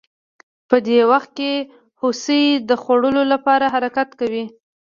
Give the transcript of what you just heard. په دې وخت کې هوسۍ د خوړو لپاره حرکت کوي